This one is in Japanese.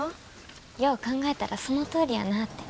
よう考えたらそのとおりやなって。